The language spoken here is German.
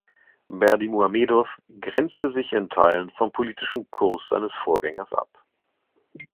Berdimuhamedow grenzte sich in Teilen vom politischen Kurs seines Vorgängers ab.